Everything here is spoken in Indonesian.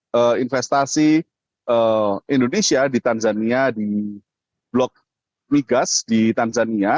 untuk investasi indonesia di tanzania di blok migas di tanzania